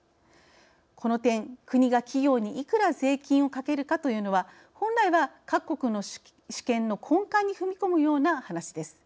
この点、国が企業にいくら税金をかけるかというのは本来は、各国の主権の根幹に踏み込むような話です。